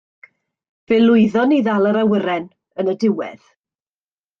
Fe lwyddon ni i ddal yr awyren yn y diwedd.